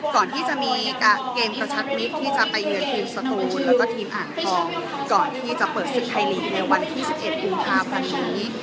ก่อนที่จะมีการเกมกระชัดมิดที่จะไปเยือนทีมสตูนและก็ทีมอ่านทองก่อนที่จะเปิดสินท้ายลิงค์ในวัน๒๑อูน๕พันธุ์นี้